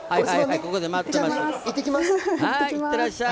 ここで待ってますよ。